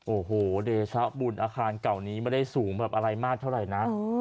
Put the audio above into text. โอ้โหเดชะบุญอาคารเก่านี้ไม่ได้สูงแบบอะไรมากเท่าไหร่นะ